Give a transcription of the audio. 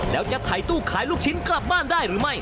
แล้วจะถ่ายตู้ขายลูกชิ้นกลับบ้านได้หรือไม่